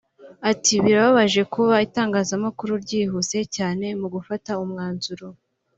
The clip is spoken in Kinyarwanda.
Ati “Birababaje kuba itangazamakuru ryihuse cyane mu gufata umwanzuro